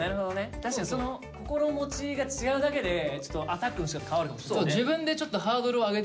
確かにその心持ちが違うだけでちょっとアタックのしかた変わるかもしれないね。